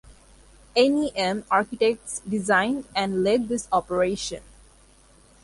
NeM Architectes designed and led this operation.